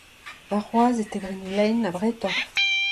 Warc'hoazh e tebrin lein abretoc'h.